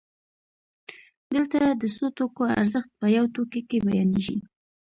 دلته د څو توکو ارزښت په یو توکي کې بیانېږي